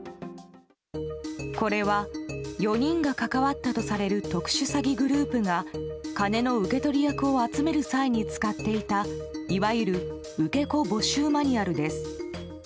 これは、４人が関わったとされる特殊詐欺グループが金の受け取り役を集める際に使っていたいわゆる受け子募集マニュアルです。